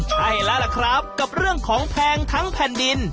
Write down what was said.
ใช่แล้วล่ะครับกับเรื่องของแพงทั้งแผ่นดิน